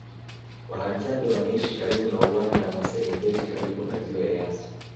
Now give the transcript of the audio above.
Wahadzabe wanaishi karibu na uwanda wa serengeti karibu na ziwa eyasi